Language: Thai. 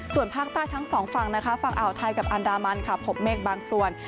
ส่วนภาคใต้ทั้งสองฝั่งนะคะฝั่งอ่าวไทยกับอันดามันค่ะพบเมฆบางส่วน